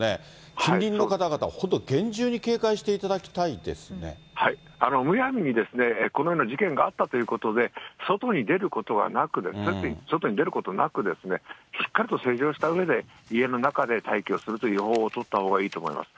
近隣の方々、本当、厳重に警戒しむやみにこのような事件があったということで、外に出ることはなく、外に出ることなく、しっかりと施錠をしたうえで、家の中で待機をするという方法を取ったほうがいいと思います。